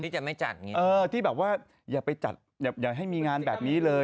จะไม่จัดอย่างนี้เออที่แบบว่าอย่าไปจัดอย่าให้มีงานแบบนี้เลย